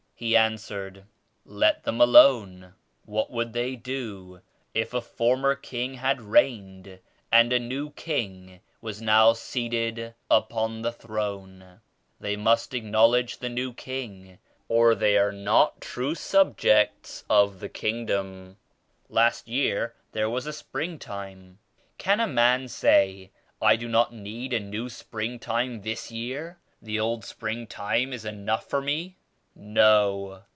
He an swered "Let them alone. What would they do if a former king had reigned and a new king was now seated upon the throne? They must ac knowledge the new king or they are not true sub jects of the Kingdom. Last year there was a spring time. Can a man say *I do not need a new spring time this year, — the old spring time is enough for me?' No